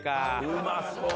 うまそう！